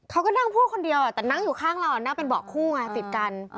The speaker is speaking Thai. เขาก็นั่งพูดคนเดียวแต่นั่งอยู่ข้างเรานั่งเป็นเบาะคู่ไงติดกัน